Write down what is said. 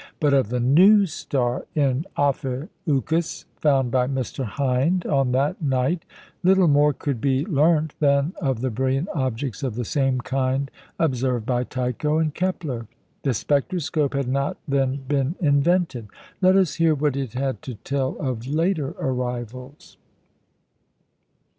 But of the "new star" in Ophiuchus found by Mr. Hind on that night, little more could be learnt than of the brilliant objects of the same kind observed by Tycho and Kepler. The spectroscope had not then been invented. Let us hear what it had to tell of later arrivals.